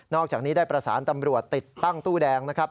อกจากนี้ได้ประสานตำรวจติดตั้งตู้แดงนะครับ